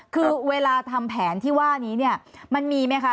คือเวลาทำแผนที่ว่านี้เนี่ยมันมีไหมคะ